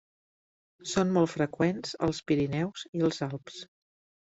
Són molt freqüents als Pirineus i als Alps.